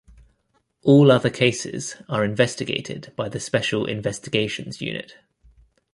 All other cases are investigated by the Special Investigations Unit.